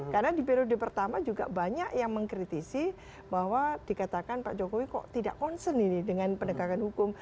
karena di periode pertama juga banyak yang mengkritisi bahwa dikatakan pak jokowi kok tidak concern ini dengan penegakan hukum